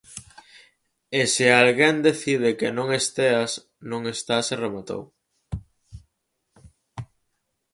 E se alguén decide que non esteas, non estás e rematou.